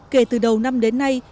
kể từ đầu năm đến nay